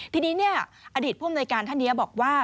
ทีนี้อดีตผู้อำนวยการท่านนี้บอกว่า